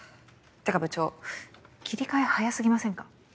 てか部長切り替え早すぎませんか？